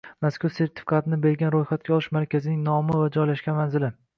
mazkur sertifikatni bergan ro‘yxatga olish markazining nomi va joylashgan manzili;